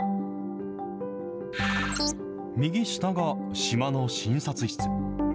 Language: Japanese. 右下が島の診察室。